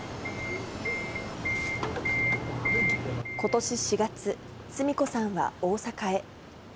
ことし４月、スミ子さんは大阪へ。